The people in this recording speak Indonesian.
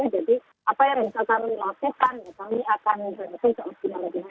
jadi apa yang misalkan dilakukan kami akan langsung ke ospinal